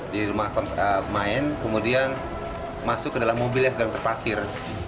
di rumah main kemudian masuk ke dalam mobil yang sedang terpakir